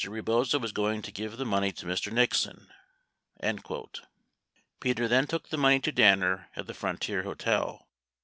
Rebozo was going to give the money to Mr. Nixon." 71 Peter then took the money to Danner at the Frontier Hotel.